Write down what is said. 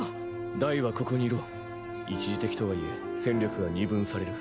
ダイはここにいろ一時的とはいえ戦力が二分される。